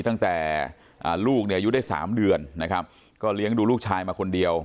ตั้งแต่ลูกเนี่ยอายุได้๓เดือนนะครับก็เลี้ยงดูลูกชายมาคนเดียว